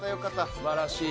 素晴らしい。